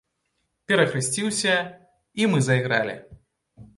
Перахрысціўся, і мы зайгралі.